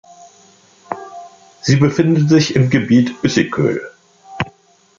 Sie befindet sich im Gebiet Yssykköl.